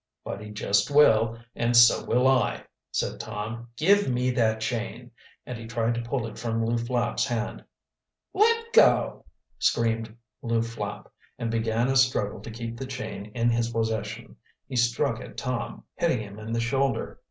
"But he just will, and so will I," said Tom. "Give me that chain," and he tried to pull it from Lew Flapp's hand. "Let go!" screamed Lew Flapp, and began a struggle to keep the chain in his possession. He struck at Tom, hitting him in the shoulder.